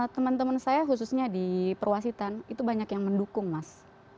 teman teman saya khususnya di perwasitan itu banyak yang mendukung mas